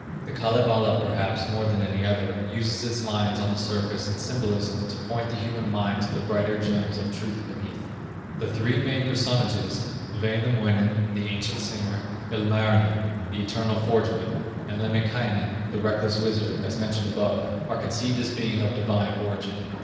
The Kalevala, perhaps, more than any other, uses its lines on the surface in symbolism to point the human mind to the brighter gems of truth beneath. The three main personages, Wainamoinen, the ancient singer, Ilmarinen, the eternal forgeman, and Lemminkainen, the reckless wizard, as mentioned above, are conceived as being of divine origin.